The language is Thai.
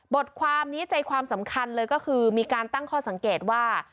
บทความนี้ใจความสำคัญเลยก็คือมีการตั้งข้อสังเกตว่า